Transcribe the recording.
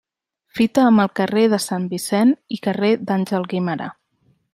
Fita amb el carrer de Sant Vicent i carrer d'Àngel Guimerà.